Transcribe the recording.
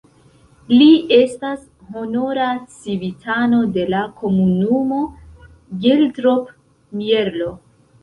Li estas honora civitano de la komunumo Geldrop-Mierlo.